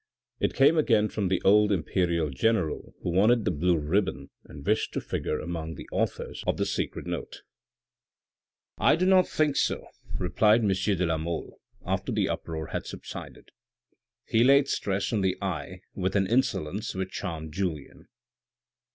It came again from the old Imperial general who wanted the blue ribbon and wished to figure among the authors of the secret note. " I do not think so," replied M. de la Mole, after the uproar had subsided. He laid stress on the " I " with an insolence which charmed Julien.